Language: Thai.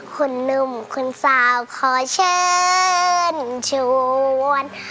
คุณนุ่มคุณสาวขอเชิญชวน